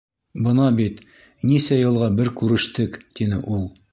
— Бына бит, нисә йылға бер күрештек, — тине ул.